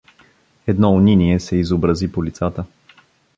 Едно униние се изобрази по лицата.